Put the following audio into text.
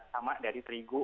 sama dari terigu